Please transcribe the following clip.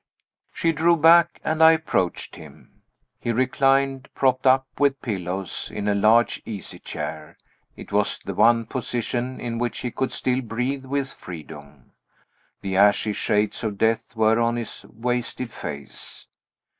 She drew back and I approached him. He reclined, propped up with pillows, in a large easy chair; it was the one position in which he could still breathe with freedom. The ashy shades of death were on his wasted face.